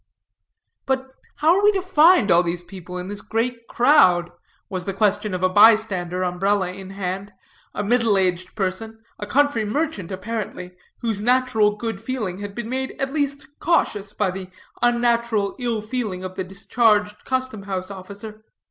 "But how are we to find all these people in this great crowd?" was the question of a bystander, umbrella in hand; a middle aged person, a country merchant apparently, whose natural good feeling had been made at least cautious by the unnatural ill feeling of the discharged custom house officer.